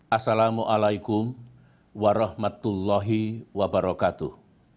assalamualaikum warahmatullahi wabarakatuh